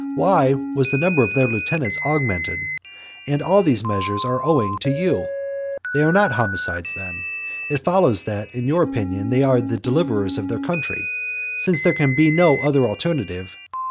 why was the number of their lieutenants augmented? And all these measures were owing to you. They are not homicides then. It follows that in your opinion they are deliverers of their country, since there can be no other alternative.